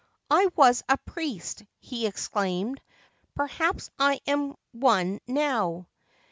' I was a priest,' he explained. ' Perhaps I am on now.